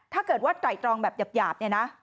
ถ้าเกิดว่าไตรตรองแบบหยาบ